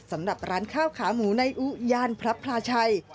สำหรับร้านข้าวขาหมูในอุย่านพระพลาชัย